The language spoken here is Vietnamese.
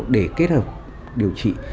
để kết hợp điều trị